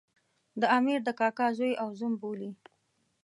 د امیر د کاکا زوی او زوم بولي.